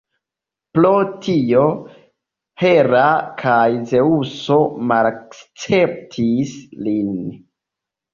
Pro tio, Hera kaj Zeŭso malakceptis lin.